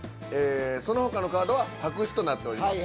その他のカードは白紙となっております。